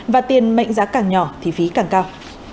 và tiền mệnh giá càng nhỏ thì phí càng cao